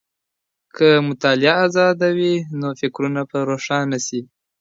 که مطالعه ازاده وي، نو فکرونه به روښانه سي.